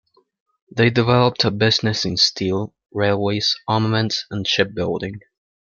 They developed a business in steel, railways, armaments, and shipbuilding.